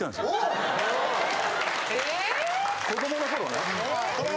・え・子供の頃ね。